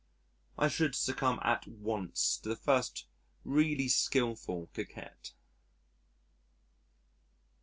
I should succumb at once to the first really skilful coquette.